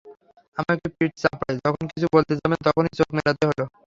আমাকে পিঠ চাপড়ে যখন কিছু বলতে যাবেন, তখনি চোখ মেলতে হলো।